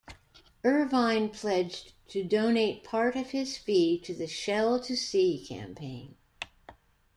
Irvine pledged to donate part of his fee to the Shell to Sea campaign.